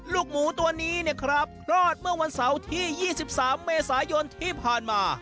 ลูกหมูตัวนี้เนี่ยครับคลอดเมื่อวันเสาร์ที่๒๓เมษายนที่ผ่านมา